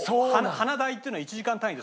花代っていうのは１時間単位。